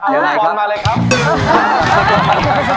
ฟุตบอลมาเลยครับ